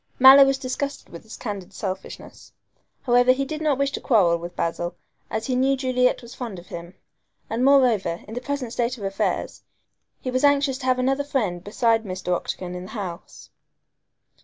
Mallow was disgusted with this candid selfishness. However, he did not wish to quarrel with Basil, as he knew Juliet was fond of him, and moreover, in the present state of affairs, he was anxious to have another friend besides Mr. Octagon in the house.